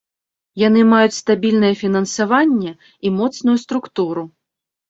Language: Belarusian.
Яны маюць стабільнае фінансаванне і моцную структуру.